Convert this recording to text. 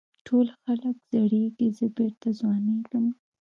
ټول خلک زړېږي زه بېرته ځوانېږم.